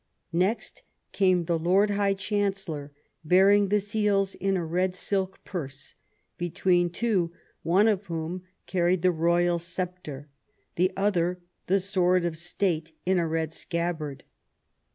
Next came the Lord High Chancellor, bearing the seals in a red silk purse, between .two, one of whom carried the royal sceptre, the other the sword of State in a red scabbard.